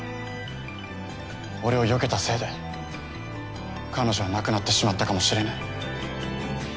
俺をよけたせいで彼女は亡くなってしまったかもしれない。